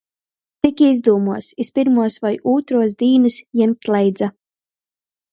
Tik izdūmuos, iz pyrmuos voi ūtruos dīnys jimt leidza.